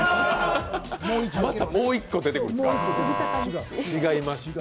また、もう一個出てくるんですか？